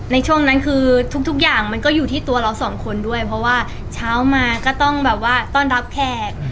ในช่วงนั้นคือทุกอย่างมันก็อยู่ที่ตัวเราสองคนด้วยเพราะว่าเช้ามาก็ต้องแบบว่าต้อนรับแขก